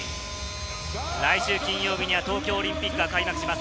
来週金曜日には東京オリンピックが開幕します。